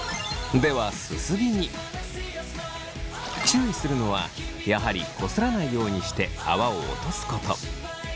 注意するのはやはりこすらないようにして泡を落とすこと。